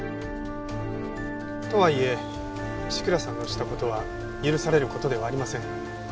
とはいえ志倉さんのした事は許される事ではありません。